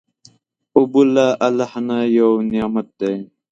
اوبه له الله نه یو نعمت دی.